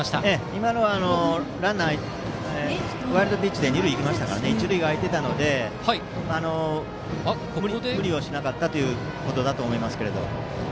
今のはランナーがワイルドピッチで二塁に行きましたので一塁が空いていたので無理をしなかったことだと思います。